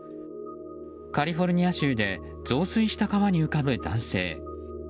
カリフォルニア州で増水した川に浮かぶ男性。